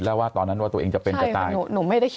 หันปืนมาหน้าผาก